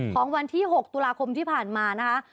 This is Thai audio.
ของวันที่๖ตุลาคมที่ผ่านมานะคะ